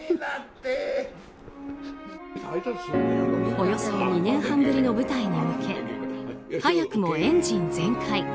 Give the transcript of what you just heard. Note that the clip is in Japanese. およそ２年半ぶりの舞台に向け早くもエンジン全開。